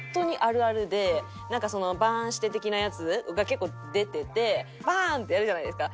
「バーンして」的なやつが結構出てて「バーン」ってやるじゃないですか。